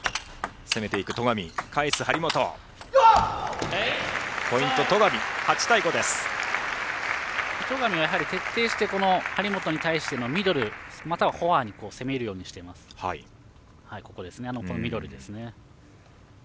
戸上は、やはり徹底して張本に対してのミドル、またはフォアに攻めるようにしています。